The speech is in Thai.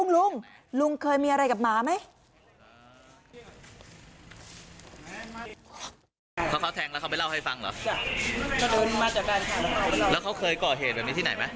ลุงลุงเคยมีอะไรกับหมาไหม